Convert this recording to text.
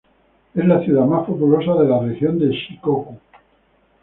Es la ciudad más populosa de la región de Shikoku.